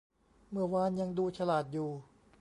เมื่อวานยังดูฉลาดอยู่